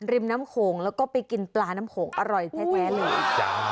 ริมน้ำโขงแล้วก็ไปกินปลาน้ำโขงอร่อยแท้เลย